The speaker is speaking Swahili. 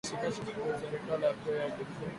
Bana mushitaki ku serikali asema alipikana ribwe